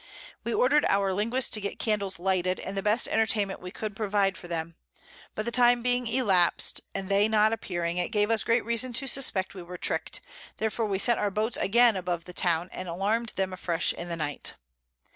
We order'd our Linguist to get Candles lighted, and the best Entertainment we could provide for them; but the Time being elapsed, and they not appearing, it gave us great reason to suspect we were trick'd; therefore we sent our Boats again above the Town, and alarm'd them afresh in the Night.